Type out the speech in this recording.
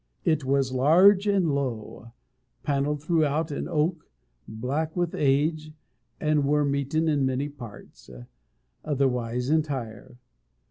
It was large and low, panelled throughout in oak, black with age, and worm eaten in many parts otherwise entire.